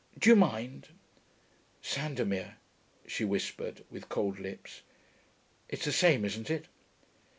Do you mind....' 'Sandomir,' she whispered, with cold lips. 'It's the same, isn't it?'